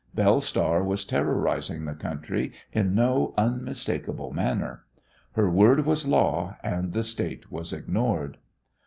Belle Star was terrorizing the country in no unmistakable manner. Her word was law, and the State was ignored.